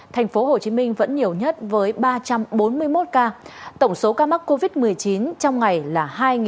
thành phố hồ chí minh vẫn nhiều nhất với ba trăm bốn mươi một ca tổng số ca mắc covid một mươi chín trong ngày là hai ba trăm sáu mươi bảy